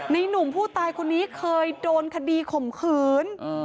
หนุ่มผู้ตายคนนี้เคยโดนคดีข่มขืน